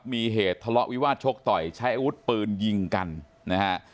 มีเหตุทะเลาะวิวาสชกต่อยใช้อาวุธปืนยิงกันนะฮะ